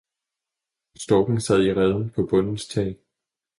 Storken sad i reden på bondens tag.